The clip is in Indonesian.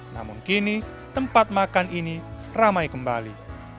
namun kini tempat makan ini ramai kembali